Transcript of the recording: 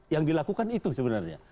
yang dilakukan itu sebenarnya